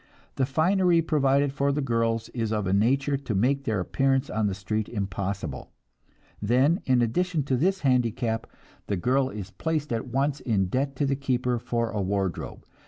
The finery provided for the girls is of a nature to make their appearance on the street impossible. Then in addition to this handicap, the girl is placed at once in debt to the keeper for a wardrobe....